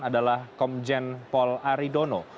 adalah komjen paul aridono